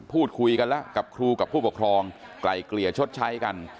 พูดคุยกันแล้วกับครูกับผู้ปกครองไกลเกลี่ยชดใช้กัน